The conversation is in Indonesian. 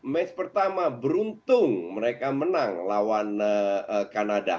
match pertama beruntung mereka menang lawan kanada